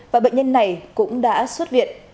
và bệnh nhân này cũng đã xuất viện